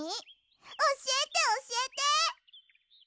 おしえておしえて！